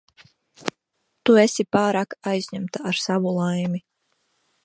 Tu esi pārāk aizņemta ar savu laimi.